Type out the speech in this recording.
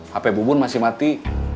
hp bu bun masih mati